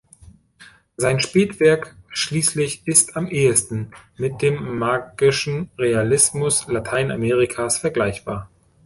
Sein Spätwerk schließlich ist am ehesten mit dem Magischen Realismus Lateinamerikas vergleichbar.